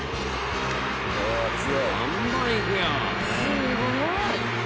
すごい！